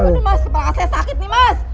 aduh mas belakang saya sakit nih mas